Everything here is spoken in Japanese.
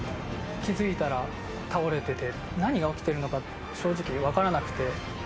気付いたら倒れてて、何が起きてるのか、正直分からなくて。